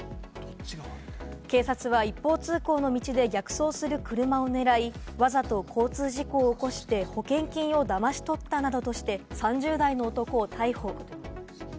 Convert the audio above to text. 警察は一方通行の道で逆走する車を狙い、わざと交通事故を起こして保険金をだまし取ったなどとして３０代の男を逮捕。